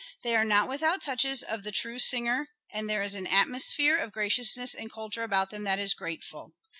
They are not without touches of the true Singer and there is an atmosphere of graciousness and culture about them that is grateful."